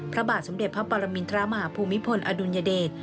พระบาทสมเด็จพระปรมินทรมาฮภูมิพลอดุลยเดช